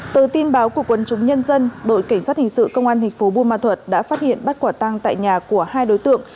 từ tin báo của quân chúng nhân dân đội cảnh sát hình sự công an thành phố buôn ma thuật đã phát hiện bắt quả tăng tại nhà của hai đối tượng